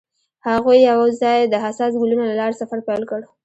هغوی یوځای د حساس ګلونه له لارې سفر پیل کړ.